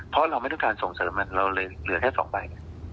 เพราะเราไม่ต้องการส่งเสริมมันเราเลยเหลือแค่๒ใบ